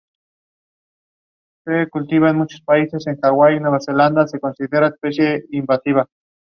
Se fríen en abundante manteca o aceite.